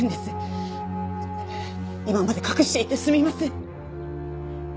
今まで隠していてすみません。